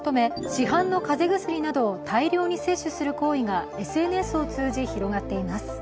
市販のかぜ薬などを大量に摂取する行為がＳＮＳなどを通じて広がっています。